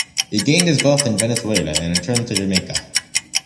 He gained his wealth in Venezuela and returned to Jamaica.